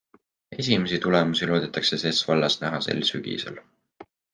Esimesi tulemusi loodetakse ses vallas näha sel sügisel.